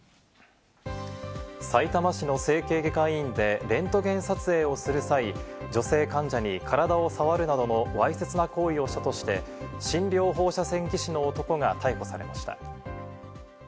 さいたま市の整形外科医院でレントゲン撮影をする際、女性患者に体を触るなどのわいせつな行為をしたとして、診療放射線技師の男が逮捕されました。